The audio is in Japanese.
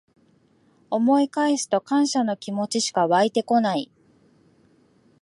思い返すと感謝の気持ちしかわいてこない